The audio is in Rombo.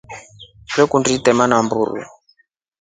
Vee kundi itema namburu.